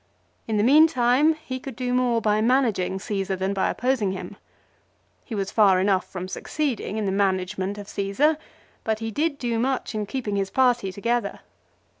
In the meantime he could do more by managing Caesar, than by opposing him. He was far enough from succeeding in the management of Caesar, but he did do much in keeping his party together.